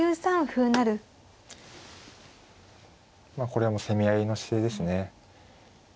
これはもう攻め合いの姿勢ですね。